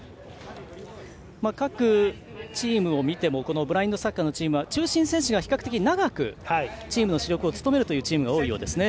各チームを見てもブラインドサッカーのチームは中心選手が比較的長くチームの主力を務める選手が多いようですね。